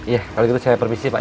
iya kalau gitu saya permisi pak